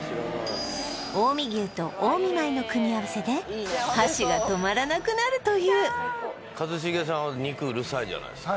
近江牛と近江米の組み合わせで箸が止まらなくなるという一茂さんは肉うるさいじゃないですか